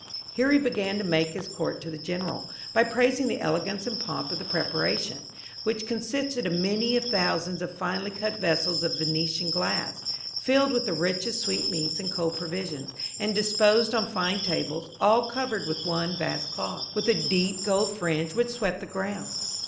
Here he began to make his court to the General, by praising the elegance and pomp of the preparation, which consisted of many thousands of finely cut vessels of Venetian glass, filled with the richest sweetmeats and cold provisions, and disposed on fine tables, all covered with one vast cloth, with a deep gold fringe, which swept the ground.